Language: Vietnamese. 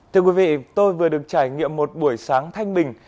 thưa quý vị tôi vừa được trải nghiệm một buổi sáng thanh bình